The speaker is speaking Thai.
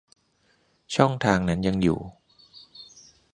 ช่องทางนั้นยังอยู่